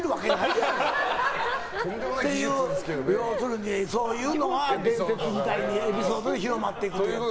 要するにそういうのは伝説みたいにエピソードで広まっていくという。